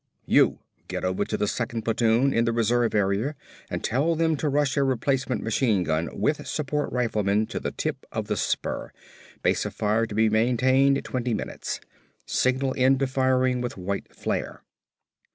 "You! Get over to the second platoon in the reserve area and tell them to rush a replacement machine gun with support riflemen to the tip of the spur; base of fire to be maintained twenty minutes. Signal end of firing with white flare."